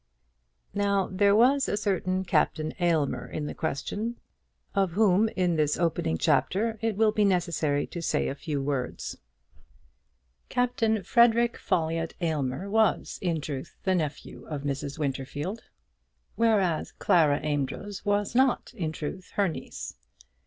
Now there was a certain Captain Aylmer in the question, of whom in this opening chapter it will be necessary to say a few words. Captain Frederic Folliott Aylmer was, in truth, the nephew of Mrs. Winterfield, whereas Clara Amedroz was not, in truth, her niece.